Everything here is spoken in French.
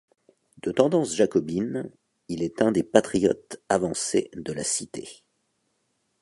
De tendance jacobine, il est un des patriotes avancés de la cité.